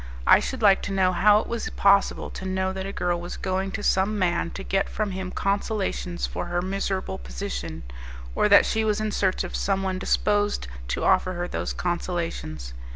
I should like to know how it was possible to know that a girl was going to some man to get from him consolations for her miserable position, or that she was in search of someone disposed to offer her those consolations?